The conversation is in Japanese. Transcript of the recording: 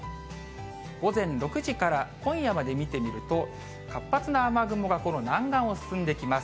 午前６時から今夜まで見てみると、活発な雨雲がこの南岸を進んできます。